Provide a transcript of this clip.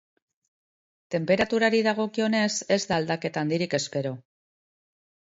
Tenperaturari dagokionez, ez da aldaketa handirik espero.